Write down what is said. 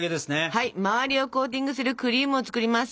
はい周りをコーティングするクリームを作ります。